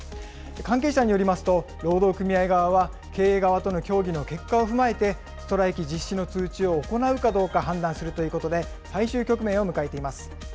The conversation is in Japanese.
関係者によりますと、労働組合側は経営側との協議の結果を踏まえて、ストライキ実施の通知を行うかどうか判断するということで、最終局面を迎えています。